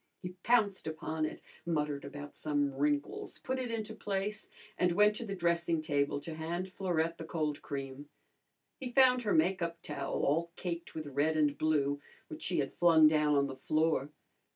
He pounced upon it, muttered about some wrinkles, put it into place, and went to the dressing table to hand Florette the cold cream. He found her make up towel, all caked with red and blue, which she had flung down on the floor.